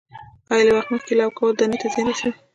آیا له وخت مخکې لو کول دانې ته زیان رسوي؟